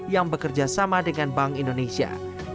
yang bekerja sama dengan bank indonesia